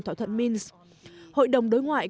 thỏa thuận minsk hội đồng đối ngoại